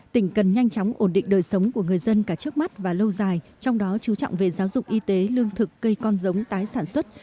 tỉnh cần nhanh chóng ổn định đời sống của người dân cả trước mắt và lâu dài trong đó chú trọng về giáo dục y tế lương thực cây con giống tái sản xuất